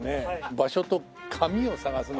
場所と紙を探すのが。